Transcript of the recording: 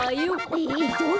えっどれ？